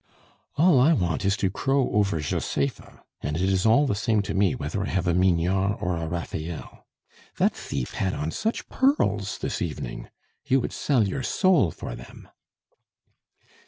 "All I want is to crow over Josepha; and it is all the same to me whether I have a Mignard or a Raphael! That thief had on such pearls this evening! you would sell your soul for them."